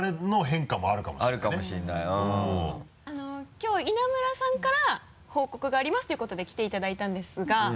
きょう稲村さんから報告がありますということで来ていただいたんですが。